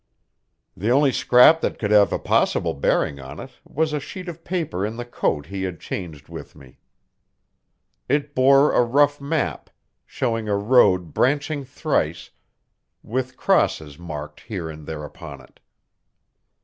The only scrap that could have a possible bearing on it was a sheet of paper in the coat he had changed with me. It bore a rough map, showing a road branching thrice, with crosses marked here and there upon it.